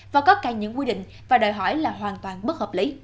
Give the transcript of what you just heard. và có cả những quy định và đòi hỏi là hoàn toàn bất hợp lý